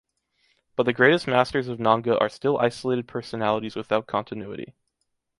But the greatest masters of Nanga are still isolated personalities without continuity.